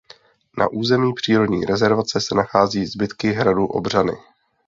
Na území přírodní rezervace se nachází zbytky hradu Obřany.